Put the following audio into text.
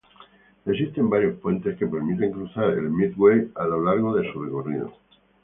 Existen varios puentes que permiten cruzar el Medway, a lo largo de su recorrido.